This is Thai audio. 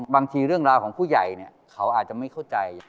บางทีเรื่องราวของผู้ใหญ่เนี่ยเขาอาจจะไม่เข้าใจ